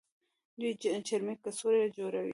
دوی چرمي کڅوړې جوړوي.